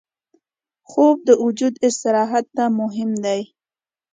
خوب د وجود استراحت ته مهم دی